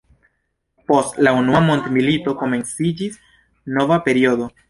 Post la unua mondmilito komenciĝis nova periodo.